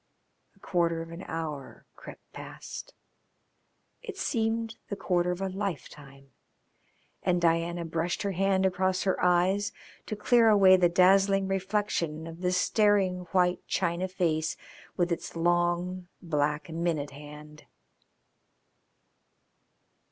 A quarter of an hour crept past. It seemed the quarter of a lifetime, and Diana brushed her hand across her eyes to clear away the dazzling reflection of the staring white china face with its long black minute hand.